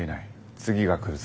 次が来るぞ。